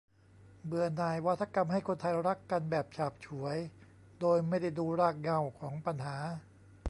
เบื่อหน่ายวาทกรรมให้คนไทยรักกันแบบฉาบฉวยโดยไม่ได้ดูรากเง่าของปัญหา